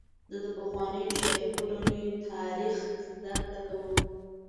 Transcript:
زه د پخوانیو شاهي کورنیو تاریخ زدهکړه کوم.